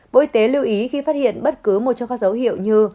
bộ y tế lưu ý khi phát hiện bất cứ một trong các dấu hiệu như